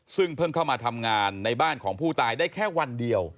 ซึ่งเพิ่งเข้ามาทำงานในบ้านของผู้ตายได้แค่วันเดียว